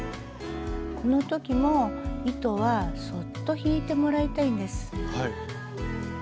この時も糸はそっと引いてもらいたいんです。